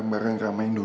gak ada apa apa